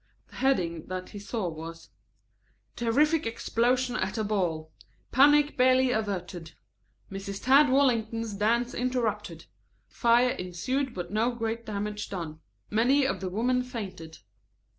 The heading that he saw was: Terrific Explosion at a Ball. Panic Barely Averted. Mrs. Tad Wallington's Dance Interrupted. Fire Ensued, but no Great Damage Done. _Many of the Women Fainted.